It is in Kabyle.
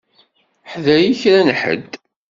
Hḍeṛ i kra n ḥedd.